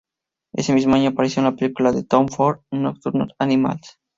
Ese mismo año apareció en la película de Tom Ford, "Nocturnal Animals".